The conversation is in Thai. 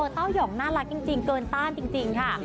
เต้ายองน่ารักจริงเกินต้านจริงค่ะ